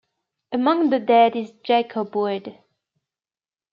Among the dead is Jacob Wood.